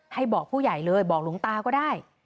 ให้บอกผู้ใหญ่เลยบอกหลวงตาก็ได้